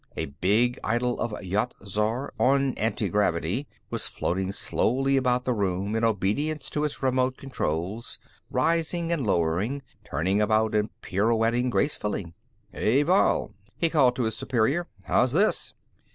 A big idol of Yat Zar, on antigravity, was floating slowly about the room in obedience to its remote controls, rising and lowering, turning about and pirouetting gracefully. "Hey, Vall!" he called to his superior. "How's this?"